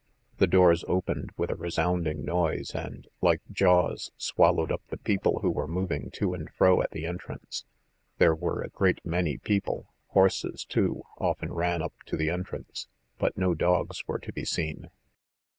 The doors opened with a resounding noise and, like jaws, swallowed up the people who were moving to and fro at the entrance. There were a great many people, horses, too, often ran up to the entrance, but no dogs were to be seen.